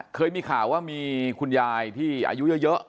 เคยมีข่าวว่ามีคุณยายที่อายุเยอะ